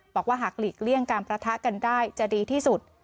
บอกว่าหากหลีกเลี่ยงการประทะกันได้จะดีที่สุด